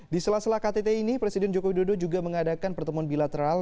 di sela sela ktt ini presiden joko widodo juga mengadakan pertemuan bilateral